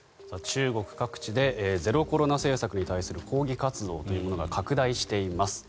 中国各地でゼロコロナ政策に対する抗議活動というものが拡大しています。